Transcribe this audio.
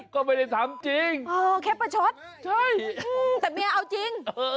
ก็ไม่ได้ทำจริงเออแค่ประชดใช่แต่เมียเอาจริง